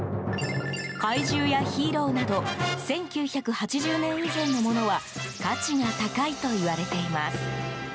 怪獣やヒーローなど１９８０年以前のものは価値が高いといわれています。